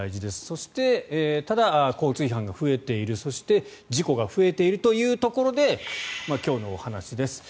そしてただ、交通違反が増えているそして事故が増えているというところで今日のお話です。